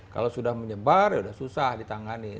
kalau sudah menyebar ya sudah susah ditanganin